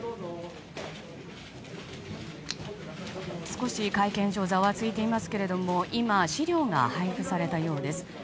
少し会見場ざわついていますけれども今、資料が配布されたようです。